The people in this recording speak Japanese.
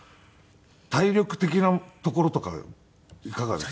体力的なところとかいかがですか？